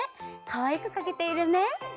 かわいくかけているね！